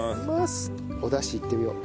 おダシいってみよう。